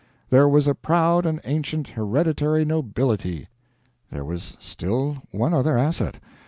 There was a proud and ancient Hereditary Nobility. There was still one other asset.